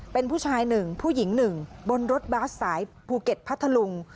เป็นผู้ชาย๑ผู้หญิง๑บนรถบัสสายภูเก็ตพัทธลุง